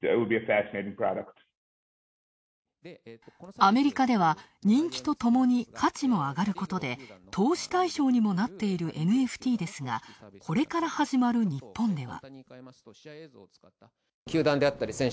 アメリカでは人気とともに価値も上がることで、投資対象にもなっているＮＦＴですが、これから始まる日本では。